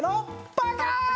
パカーン！